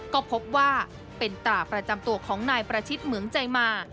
ก็พบว่าเป็นตราประจำตัวของนายประชิตเหมืองใจมา